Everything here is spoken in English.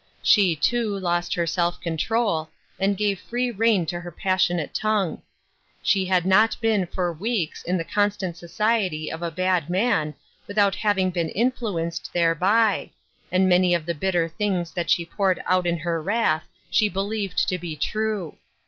She, too, lost her self control, and gave free reign to her passionate tongue. She had not been for weeks in the con stant society of a bad man without having been influenced thereby, and many of the bitter things that she poured out in her wrath she believed to be true.